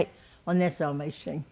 お姉さんも一緒に。